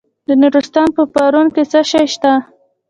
د نورستان په پارون کې څه شی شته؟